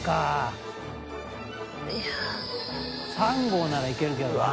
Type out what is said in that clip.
３合ならいけるけどな。